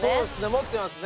持ってますね。